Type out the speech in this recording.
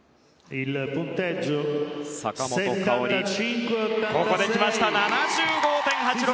坂本花織、ここできました７５．８６。